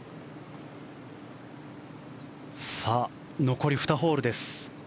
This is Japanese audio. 残り２ホールです。